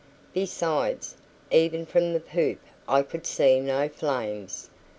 Besides, even from the poop I could see no flames.